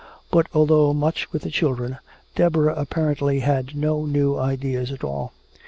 But although much with the children, Deborah apparently had no new ideas at all.